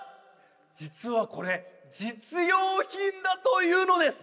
実はこれ実用品だというのです